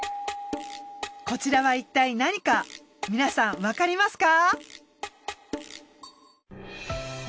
こちらはいったい何か皆さんわかりますか？